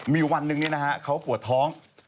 มีวันนึงนี่เขาปวดท้อง